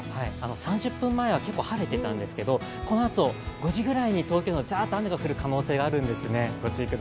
３０分前は結構晴れていたんですけど、このあと、５時ぐらいに東京はザーッと雨が降る可能性があるんですね。